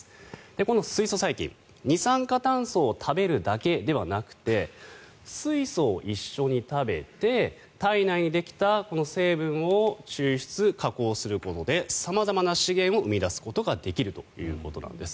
この水素細菌二酸化炭素を食べるだけではなく水素を一緒に食べて体内にできたこの成分を抽出・加工することで様々な資源を生み出すことができるということです。